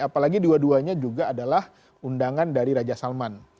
apalagi dua duanya juga adalah undangan dari raja salman